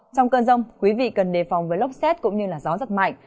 trong cơn rông quý vị cần đề phòng với lốc xét cũng như gió rất mạnh